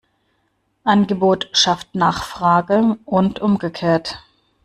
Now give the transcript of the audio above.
Angebot schafft Nachfrage und umgekehrt.